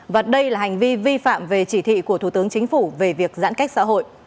và đây là hành vi vi phạm về chỉ thị của thủ tướng chính phủ về việc giãn cách xã hội